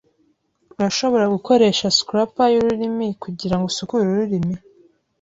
Urashobora gukoresha scraper y'ururimi kugirango usukure ururimi.